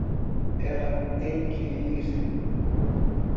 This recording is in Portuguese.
Ela tem que ir.